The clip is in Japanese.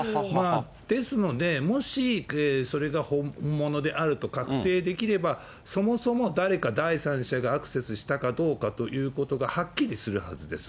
ですので、もしそれが本物であると確定できれば、そもそも誰か第三者がアクセスしたかどうかということがはっきりするはずです。